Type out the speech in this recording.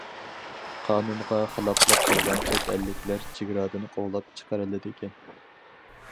قانۇنغا خىلاپلىق قىلغان چەت ئەللىكلەر چېگرادىن قوغلاپ چىقىرىلىدىكەن.